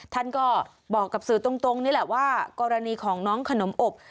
ท่านก็บอกกับสื่อตรงนี่แหละว่ากรณีของน้องขนมอบ